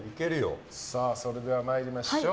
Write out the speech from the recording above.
それでは参りましょう。